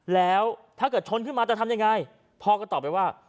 แล้วถ้าเกิดชนขึ้นมาจะทำยังไงพ่อก็ตอบไปว่า